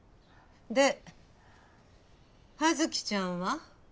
で葉月ちゃんは？